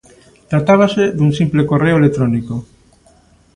Tratábase dun simple correo electrónico.